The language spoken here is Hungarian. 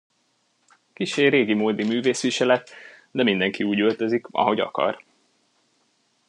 Kissé régimódi művészviselet, de mindenki úgy öltözik, ahogy akar.